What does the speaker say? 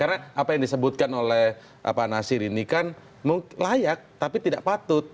karena apa yang disebutkan oleh nasir ini kan layak tapi tidak patut